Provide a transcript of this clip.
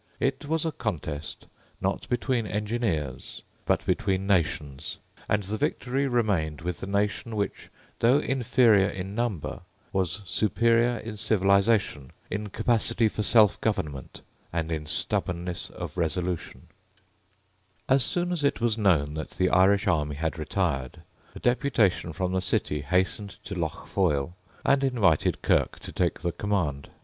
It was a contest, not between engineers, but between nations; and the victory remained with the nation which, though inferior in number, was superior in civilisation, in capacity for selfgovernment, and in stubbornness of resolution, As soon as it was known that the Irish army had retired, a deputation from the city hastened to Lough Foyle, and invited Kirk to take the command.